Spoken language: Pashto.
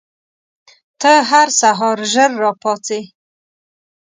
ته هر سهار ژر راپاڅې؟